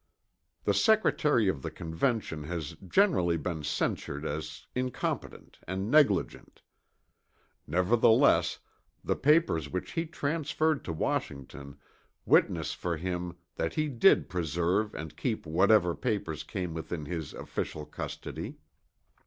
The Secretary of the Convention has generally been censured as incompetent and negligent. Nevertheless the papers which he transferred to Washington witness for him that he did preserve and keep whatever papers came within his official custody.